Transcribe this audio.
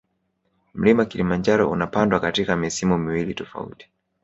Mlima kilimanjaro unapandwa katika misimu miwili tofauti